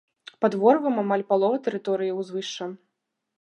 Пад ворывам амаль палова тэрыторыі ўзвышша.